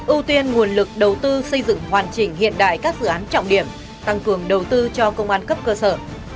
ưu tiên nguồn lực đầu tư xây dựng hoàn chỉnh hiện đại các dự án trọng điểm tăng cường đầu tư cho công an cấp cơ sở